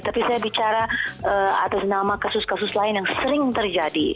tapi saya bicara atas nama kasus kasus lain yang sering terjadi